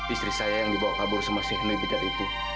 istri saya yang dibawa kabur sama si henry bejak itu